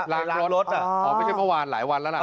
ล้อรถอ๋อไม่ใช่เมื่อวานหลายวันแล้วล่ะ